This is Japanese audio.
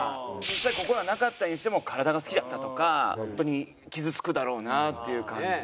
実際心はなかったにしても「体が好きだった」とか本当に傷つくだろうなっていう感じ。